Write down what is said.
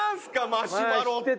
マシュマロって。